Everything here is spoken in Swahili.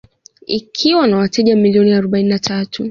Ikiwa na wateja milioni arobaini na tatu